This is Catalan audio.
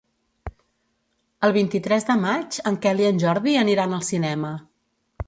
El vint-i-tres de maig en Quel i en Jordi aniran al cinema.